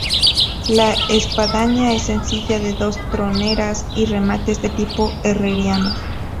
La espadaña es sencilla, de dos troneras y remates de tipo herreriano.